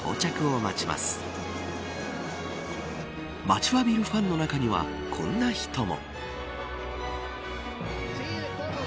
待ちわびるファンの中にはこんな人も。